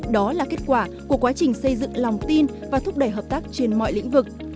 đó là kết quả của quá trình xây dựng lòng tin và thúc đẩy hợp tác trên mọi lĩnh vực